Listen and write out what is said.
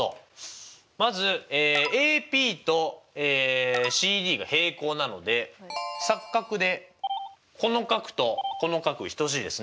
まずＡＰとＣＤが平行なので錯角でこの角とこの角等しいですね。